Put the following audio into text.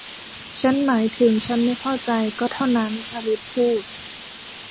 ฉันหมายถึงฉันไม่เข้าใจ ก็เท่านั้น อลิซพูด